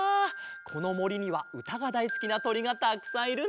このもりにはうたがだいすきなとりがたくさんいるんだね！